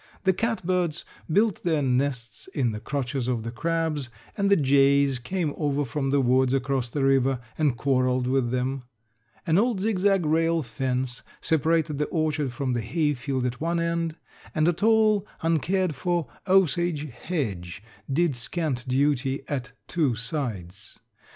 The catbirds built their nests in the crotches of the crabs and the jays came over from the woods across the river and quarreled with them. An old zigzag rail fence separated the orchard from the hay field at one end and a tall uncared for osage hedge did scant duty at two sides.